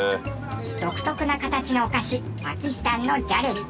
独特な形のお菓子パキスタンのジャレビ。